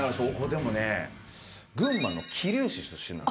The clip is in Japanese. でもね群馬の桐生市出身なの。